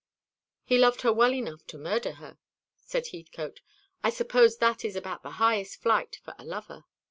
"He loved her well enough to murder her," said Heathcote. "I suppose that is about the highest flight for a lover."